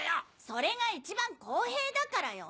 それが一番公平だからよ。